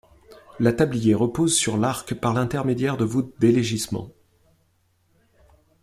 La tablier repose sur l'arc par l'intermédiaire de voûtes d'élégissement.